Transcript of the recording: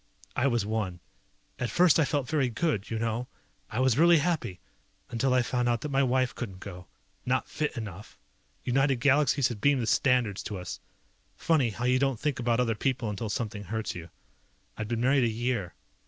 I was one. At first I felt very good, you know? I was really happy. Until I found out that my wife couldn't go. Not fit enough. United Galaxies had beamed the standards to us. Funny how you don't think about other people until something hurts you. I'd been married a year.